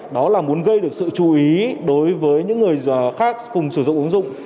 đó là muốn gây được sự chú ý đối với những người khác cùng sử dụng ứng dụng